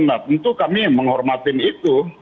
nah tentu kami menghormatin itu